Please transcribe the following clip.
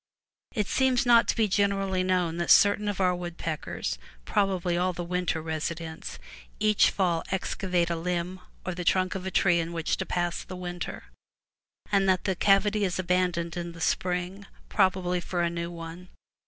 It seems not to be generally known that certain of our woodpeckers — probably all the winter residents — each fall excavate a limb or the trunk of a tree in which to pass the winter, and that the cavity is abandoned in the spring, prob ably for a new one.